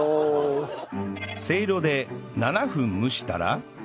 せいろで７分蒸したら